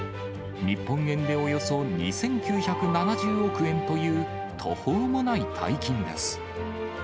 日本円でおよそ２９７０億円という、途方もない大金です。